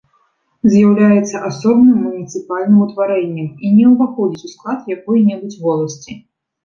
З'яўляецца асобным муніцыпальным утварэннем і не ўваходзіць у склад якой-небудзь воласці.